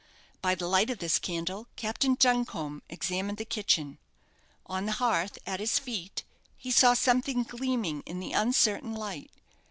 By the light of this candle Captain Buncombe examined the kitchen. On the hearth, at his feet, he saw something gleaming in the uncertain light.